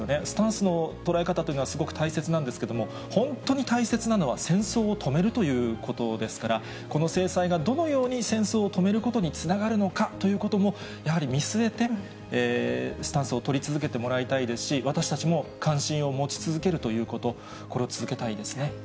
スタンスの捉え方というのはすごく大切なんですけれども、本当に大切なのは、戦争を止めるということですから、この制裁がどのように戦争を止めることにつながるのかということも、やはり見据えて、スタンスを取り続けてもらいたいですし、私たちも関心を持ち続けるということ、これを続けたいですね。